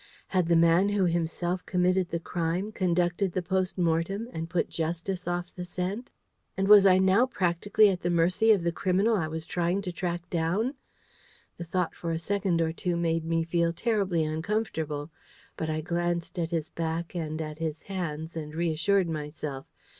Had the man who himself committed the crime conducted the post mortem, and put Justice off the scent? And was I now practically at the mercy of the criminal I was trying to track down? The thought for a second or two made me feel terribly uncomfortable. But I glanced at his back and at his hands, and reassured myself.